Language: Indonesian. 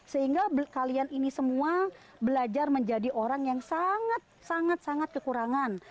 sehingga kalian ini semua belajar menjadi orang yang sangat sangat kekurangan